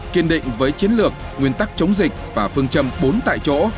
kiên định với chiến lược nguyên tắc chống dịch và phương châm bốn tại chỗ